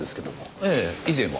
ええ以前は。